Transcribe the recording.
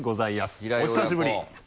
お久しぶり！